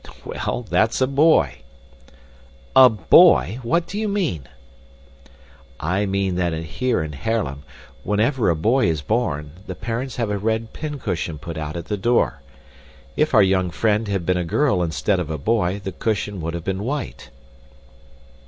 "Well, that's a boy." "A boy! What do you mean?" "I mean that here in Haarlem, whenever a boy is born, the parents have a red pincushion put out at the door. If our young friend had been a girl instead of a boy, the cushion would have been white.